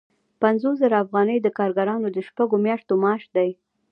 پنځوس زره افغانۍ د کارګرانو د شپږو میاشتو معاش دی